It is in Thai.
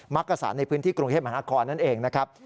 ักกระสารในพื้นที่กรุงเทพมหานครนั่นเองนะครับ